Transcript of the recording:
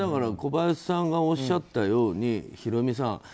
小林さんがおっしゃったようにヒロミさん